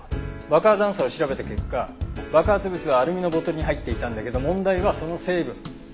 爆破残渣を調べた結果爆発物はアルミのボトルに入っていたんだけど問題はその成分。